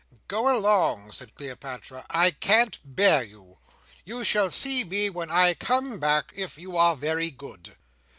"Go along!" said Cleopatra, "I can't bear you. You shall see me when I come back, if you are very good."